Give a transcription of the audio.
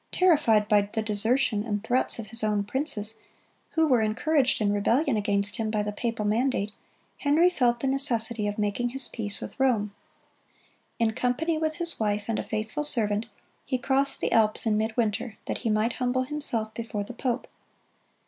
Terrified by the desertion and threats of his own princes, who were encouraged in rebellion against him by the papal mandate, Henry felt the necessity of making his peace with Rome. In company with his wife and a faithful servant, he crossed the Alps in midwinter, that he might humble himself before the pope.